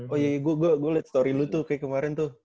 oh iya gue lihat story lu tuh kayak kemarin tuh